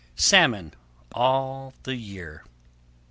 Salmon All the year.